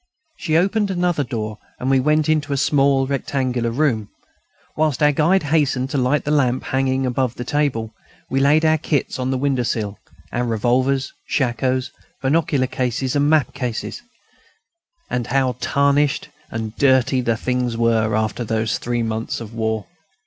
She opened another door, and we went into a small rectangular room. Whilst our guide hastened to light the lamp hanging above the table, we laid our kits on the window sill: our revolvers, shakoes, binocular glasses and map cases; and how tarnished and dirty the things were, after those three months of war!